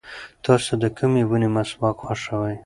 تاسو د کومې ونې مسواک خوښوئ؟